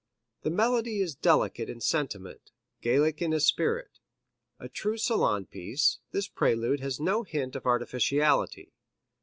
The melody is delicate in sentiment, Gallic in its esprit. A true salon piece, this prelude has no hint of artificiality.